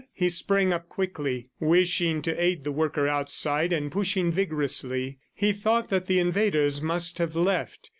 He sprang up quickly, wishing to aid the worker outside, and pushing vigorously. He thought that the invaders must have left.